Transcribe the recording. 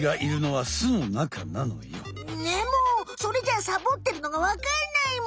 でもそれじゃサボってるのがわかんないむ。